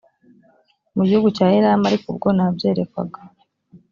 mu gihugu cya elamu ariko ubwo nabyerekwaga